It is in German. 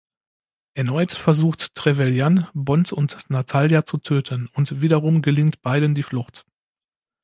Erneut versucht Trevelyan, Bond und Natalya zu töten, und wiederum gelingt beiden die Flucht.